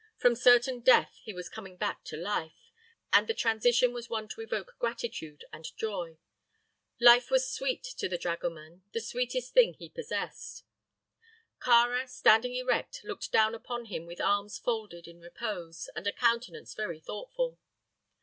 From certain death he was coming back to life, and the transition was one to evoke gratitude and joy. Life was sweet to the dragoman the sweetest thing he possessed. Kāra, standing erect, looked down upon him with arms folded in repose and a countenance very thoughtful.